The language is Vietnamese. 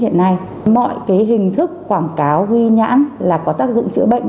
hiện nay mọi cái hình thức quảng cáo ghi nhãn là có tác dụng chữa bệnh